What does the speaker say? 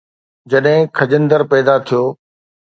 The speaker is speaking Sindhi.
جڏهن خجندر پيدا ٿيو